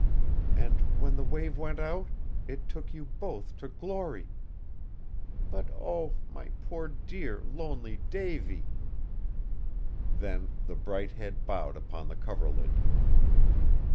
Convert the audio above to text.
And when the wave went out, it took you both to glory! But, oh! my poor, dear, lonely Davy!" Then the bright head bowed upon the coverlid.